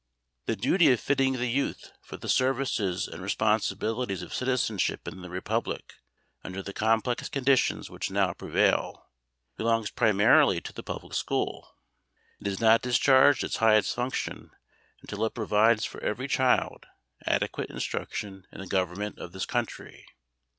The duty of fitting the youth for the services and responsibilities of citizenship in the Republic under the complex conditions which now prevail, belongs primarily to the public school. It has not discharged its highest function until it provides for every child adequate instruction in the government of this country.